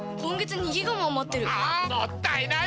もったいない！